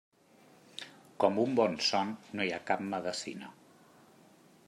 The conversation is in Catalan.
Com un bon son no hi ha cap medecina.